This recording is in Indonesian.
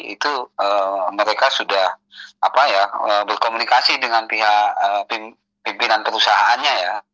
itu mereka sudah berkomunikasi dengan pihak pimpinan perusahaannya ya